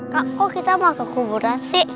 pakku kita mau ke kuburan sih